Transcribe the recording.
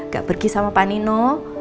gak pergi sama panino